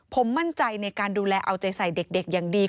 ผมมั่นใจในการดูแลเอาใจใส่เด็กอย่างดี